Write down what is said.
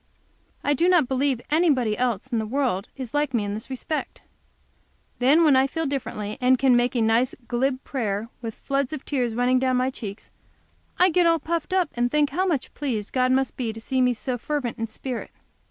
I do not believe anybody else in the world is like me in this respect. Then when I feel differently, and can make a nice, glib prayer, with floods of tears running down my cheeks, I get all puffed up, and think how much pleased God must be to see me so fervent in spirit.